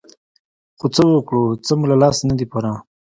خو څه وکړو څه مو له لاسه نه دي پوره.